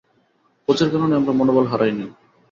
কোচের কারণেই আমরা মনোবল হারাইনি।